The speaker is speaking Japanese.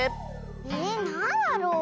えなんだろう？